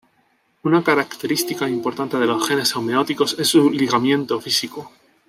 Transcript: Una característica importante de los genes homeóticos es su ligamiento físico.